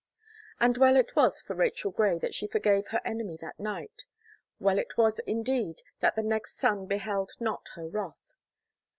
And well it was for Rachel Gray, that she forgave her enemy that night. Well it was, indeed, that the next sun beheld not her wrath.